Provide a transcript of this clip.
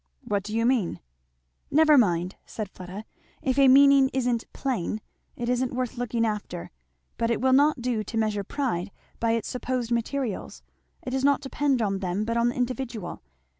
"What do you mean?" "Never mind," said Fleda, "if a meaning isn't plain it isn't worth looking after. But it will not do to measure pride by its supposed materials. It does not depend on them but on the individual.